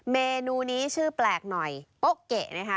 เมนูนี้ชื่อแปลกหน่อยโป๊เกะนะคะ